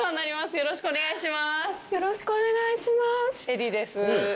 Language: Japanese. よろしくお願いします。